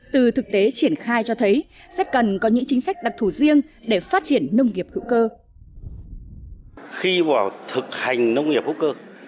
từ thực tế triển khai cho thấy rất cần có những chính sách đặc thù riêng để phát triển nông nghiệp hữu cơ